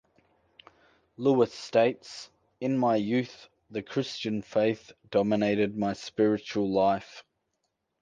Luis states, In my youth, the Christian faith dominated my spiritual life.